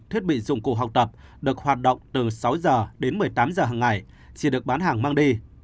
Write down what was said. thiết bị dụng cụ học tập được hoạt động từ sáu h đến một mươi tám giờ hằng ngày chỉ được bán hàng mang đi